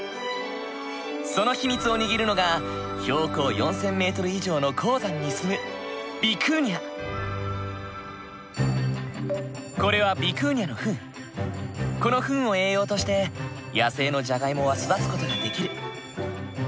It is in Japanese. その秘密を握るのが標高４，０００ｍ以上の高山に住むこれはこのフンを栄養として野生のじゃがいもは育つ事ができる。